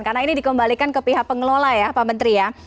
karena ini dikembalikan ke pihak pengelola ya pak menteri ya